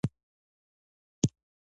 کلي د افغانستان د ښاري پراختیا یو سبب دی.